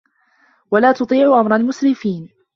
وَلا تُطيعوا أَمرَ المُسرِفينَ